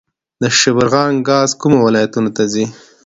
د شبرغان ګاز کومو ولایتونو ته ځي؟